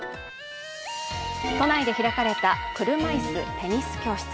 都内で開かれた車いすテニス教室。